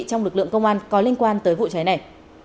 trong lực lượng công an có liên quan tới vụ cháy này